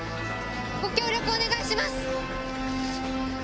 ご協力お願いします。